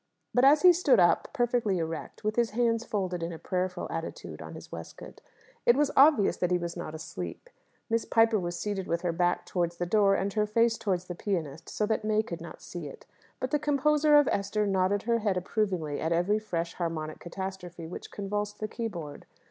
But as he stood up perfectly erect, with his hands folded in a prayerful attitude on his waistcoat, it was obvious that he was not asleep. Miss Piper was seated with her back towards the door and her face towards the pianist, so that May could not see it. But the composer of "Esther" nodded her head approvingly at every fresh harmonic catastrophe which convulsed the keyboard.